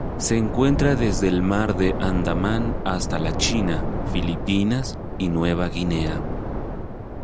Se encuentra desde el Mar de Andaman hasta la China, Filipinas y Nueva Guinea.